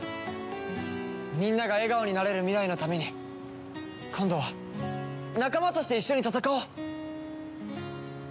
みんなが笑顔になれる未来のために今度は仲間として一緒に戦おう！